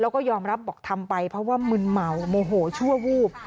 แล้วก็ยอมรับบอกทำไปเพราะว่ามึนเมาโมโหชั่ววูบ